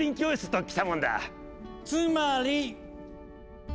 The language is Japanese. つまり。